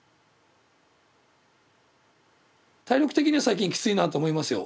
体力的には最近きついなと思いますよ。